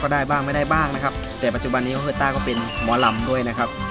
ได้บ้างไม่ได้บ้างนะครับแต่ปัจจุบันนี้ก็คือต้าก็เป็นหมอลำด้วยนะครับ